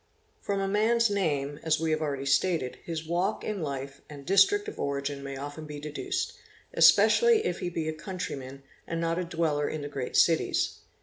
From a man's name, as we have already stated, his walk in life and district of origin may often be deduced, especially if he.be a countryman and not a dweller in the great cities.